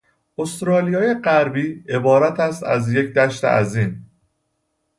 استرالیای غربی عبارت است از یک دشت عظیم